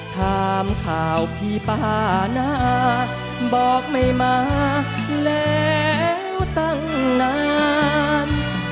ถามข่าวพี่ป้านะบอกไม่มาแล้วตั้งนาน